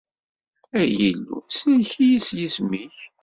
Ay Illu! Sellek-iyi s yisem-ik.